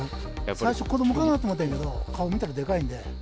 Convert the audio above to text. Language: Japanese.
最初、子どもかなと思ったんやけど、顔見たらでかいんで。